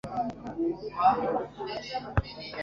Umuntu wiyemeje gukora urugendo namaguru ni musonera